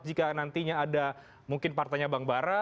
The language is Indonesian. jika nantinya ada mungkin partainya bang bara